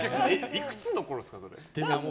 いくつのころですか？